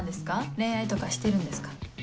恋愛とかしてるんですか？